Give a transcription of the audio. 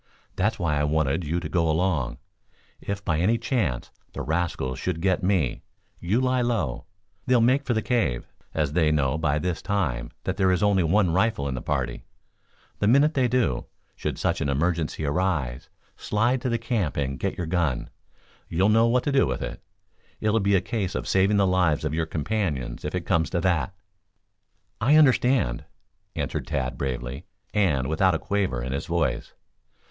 That's why I wanted you to go along. If, by any chance, the rascals should get me, you lie low. They'll make for the cave, as they know, by this time, that there is only one rifle in the party. The minute they do, should such an emergency arise, slide for the camp and get your gun. You'll know what to do with it. It'll be a case of saving the lives of your companions if it comes to that." "I understand," answered Tad bravely; and without a quaver in his voice.